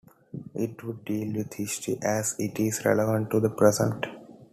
It would deal with history as it is relevant to the present.